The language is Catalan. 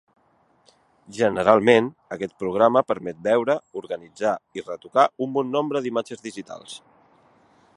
Generalment, aquest programa permet veure, organitzar i retocar un bon nombre d'imatges digitals.